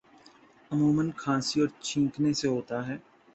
عموماً کھانسی اور چھینکنے سے ہوتا ہے